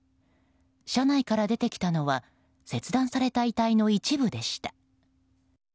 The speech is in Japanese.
車内から出てきたのは切断された遺体の一部でした。